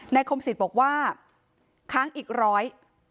คมสิทธิ์บอกว่าค้างอีกร้อย